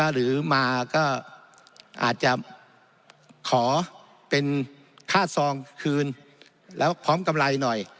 หรือมาก็อาจจะขอเป็นค่าซองคืนแล้วพร้อมกำไรหน่อย